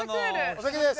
お先です。